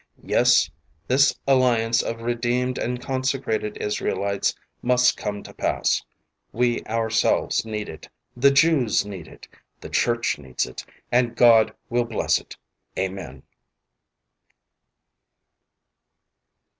Yes, this Alliance of redeemed and consecrated Israelites must come to pass ; we ourselves need it, the Jews need it, the Church needs it, and God will bless it. Amen.